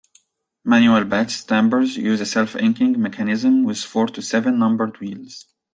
Manual Bates stampers use a self-inking mechanism with four to seven numbered wheels.